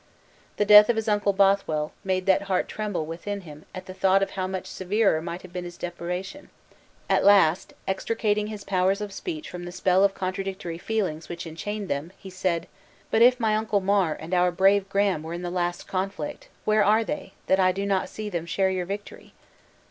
The death of his uncle Bothwell made that heart tremble within him at the thought of how much severer might have been his deprivation; at last, extricating his powers of speech from the spell of contradictory feelings which enchained them, he said, "But if my uncle Mar and our brave Graham were in the last conflict, where are they, that I do not see them share your victory?"